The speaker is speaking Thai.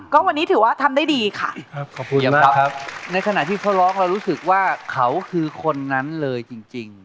ก็วันนี้ถือว่าทำได้ดีค่ะขอบคุณนะครับในขณะที่เขาร้องเรารู้สึกว่าเขาคือคนนั้นเลยจริง